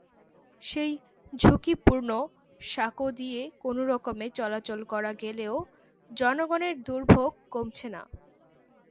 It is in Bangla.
সেই ঝুঁকিপূর্ণ সাঁকো দিয়ে কোনোরকমে চলাচল করা গেলেও জনগণের দুর্ভোগ কমছে না।